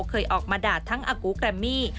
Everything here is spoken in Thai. เคยออกมาด่าทั้งอากูแกรมมี่